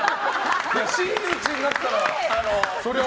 真打ちになったら、それは。